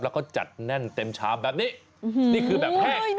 แล้วก็จัดแน่นเต็มชามแบบนี้นี่คือแบบแห้ง